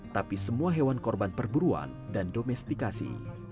tapi semua hewan korban perburuan dan domestikasi